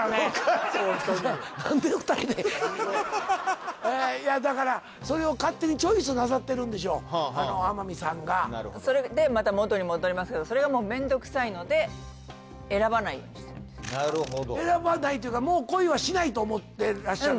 なんで２人でだからそれを勝手にチョイスなさってるんでしょう天海さんがそれでまた元に戻りますけどそれがなるほど選ばないっていうかもう恋はしないと思ってらっしゃる？